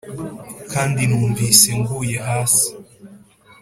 kandi numvise nguye hasi